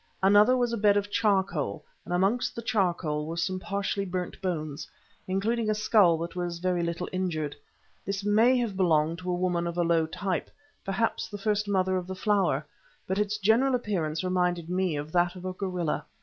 Another was a bed of charcoal, and amongst the charcoal were some partially burnt bones, including a skull that was very little injured. This may have belonged to a woman of a low type, perhaps the first Mother of the Flower, but its general appearance reminded me of that of a gorilla.